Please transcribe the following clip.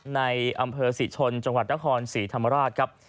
ในอำเภอศรีชนจังหวัดนครศรีธรรมราชครับ